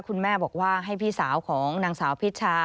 คุณแม่บอกว่าให้พี่สาวของนางสาวพิชา